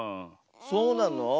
そうなの？